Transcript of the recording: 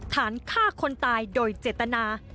ฐานฆ่าคนตายโดยเจตนา